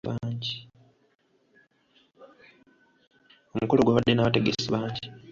Omukolo gwabadde n'abategesi bangi.